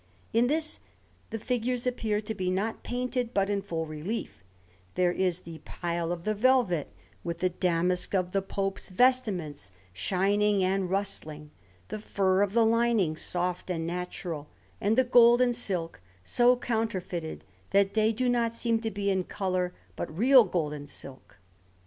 In this the figures appear to be not painted, but in full relief; there is the pile of the velvet, with the damask of the Pope's vestments shining and rustling, the fur of the linings soft and natural, and the gold and silk so counterfeited that they do not seem to be in colour, but real gold and silk.